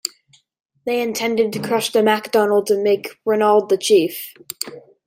They intended to crush the MacDonalds and make Ranald the chief.